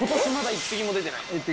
１匹も出てない。